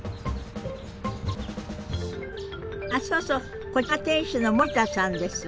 あそうそうこちらが店主の森田さんです。